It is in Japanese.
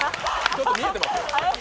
ちゃんと見えてますよ。